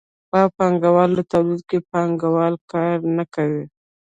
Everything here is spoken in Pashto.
په پانګوالي تولید کې پانګوال کار نه کوي.